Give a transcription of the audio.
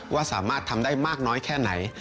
ว่าสามารถทำได้มากน้อยแค่ไหน